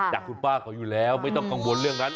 จากคุณป้าเขาอยู่แล้วไม่ต้องกังวลเรื่องนั้น